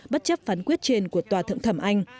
bất chấp phán quyết trên của tòa thượng thẩm anh